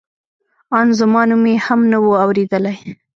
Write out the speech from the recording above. ان زما نوم یې هم نه و اورېدلی.